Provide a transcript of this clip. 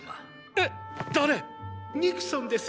えっ⁉誰⁉ニクソンです。